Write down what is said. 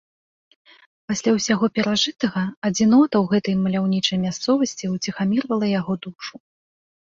Пасля ўсяго перажытага адзінота ў гэтай маляўнічай мясцовасці ўціхамірвала яго душу.